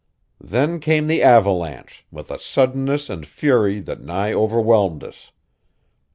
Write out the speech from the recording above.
Then came the avalanche, with a suddenness and fury that nigh overwhelmed us.